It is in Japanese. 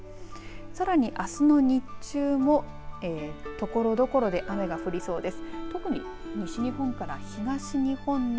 さらにあすの日中もところどころで雨が降りそうです。